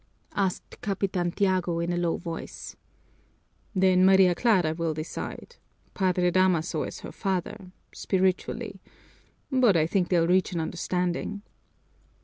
asked Capitan Tiago in a low voice. "Then Maria Clara will decide. Padre Damaso is her father spiritually. But I think they'll reach an understanding."